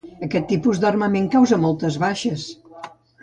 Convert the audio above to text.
Aquest tipus d'armament causa moltes baixes